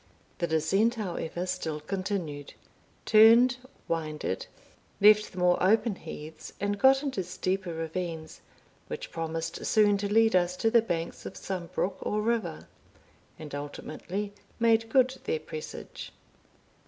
The descent, however, still continued, turned, winded, left the more open heaths, and got into steeper ravines, which promised soon to lead us to the banks of some brook or river, and ultimately made good their presage.